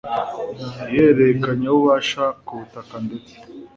ihererekanyabubasha ku butaka ndetse